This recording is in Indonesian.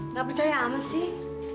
nggak percaya sama sih